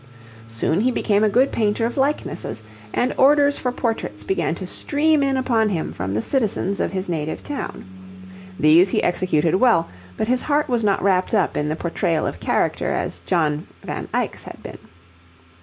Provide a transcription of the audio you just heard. Soon he became a good painter of likenesses, and orders for portraits began to stream in upon him from the citizens of his native town. These he executed well, but his heart was not wrapped up in the portrayal of character as John Van Eyck's had been.